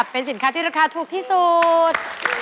เป็นสินค้าที่ราคาถูกที่สุด